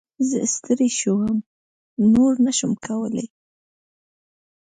زه ستړی شوم ، نور نه شم کولی !